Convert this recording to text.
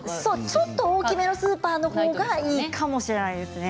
ちょっと大きめのスーパーとかのほうがいいかもしれないですね。